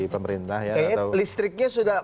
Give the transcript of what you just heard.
pemerintah ya kayaknya listriknya sudah